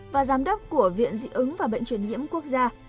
và giám đốc của viện dị ứng và bệnh truyền nhiễm quốc gia